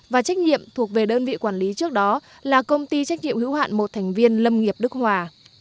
và trách nhiệm thuộc về đơn vị quản lý trước đó là công ty trách nhiệm hữu hạn một thành viên lâm nghiệp đức hòa